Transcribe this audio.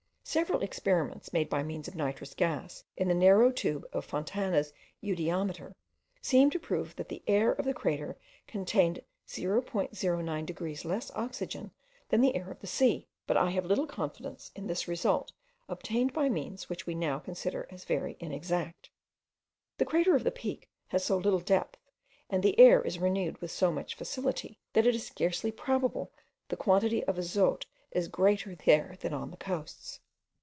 Several experiments, made by means of nitrous gas in the narrow tube of Fontana's eudiometer, seemed to prove that the air of the crater contained 0.09 degrees less oxygen than the air of the sea; but I have little confidence in this result obtained by means which we now consider as very inexact. The crater of the Peak has so little depth, and the air is renewed with so much facility, that it is scarcely probable the quantity of azote is greater there than on the coasts.